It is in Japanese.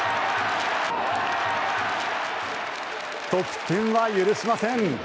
得点は許しません。